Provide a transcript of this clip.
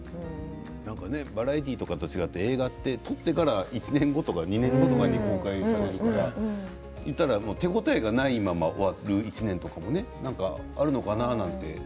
バラエティーとかと違って映画は撮ってから１年後とか２年後とかに公開するからいったら手応えがないまま終わる１年とかもあるのかなって。